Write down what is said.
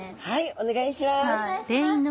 お願いします。